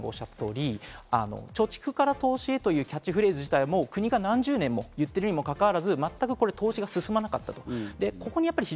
一方で先ほど皆さんがおっしゃったように、貯蓄から投資へというキャッチフレーズ自体も国が何十年も言ってるにもかかわらず、全く投資が進まなかった。